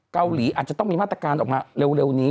เกาหลีอาจจะต้องมีมาตรการออกมาเร็วนี้